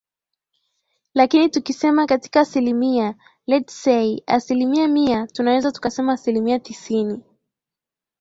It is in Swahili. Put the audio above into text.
lakini tukisema katika asilimia lets say asilimia mia tunaweza tukasema asilimia tisini